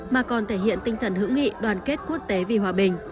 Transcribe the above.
mà còn thể hiện tinh thần hữu nghị đoàn kết quốc tế vì hòa bình